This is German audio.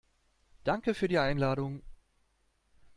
Danke für die Einladung.